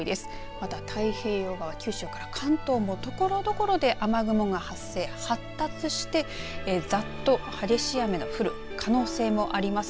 また、太平洋側九州から関東もところどころで雨雲が発生、発達してざっと激しい雨の降る可能性もあります。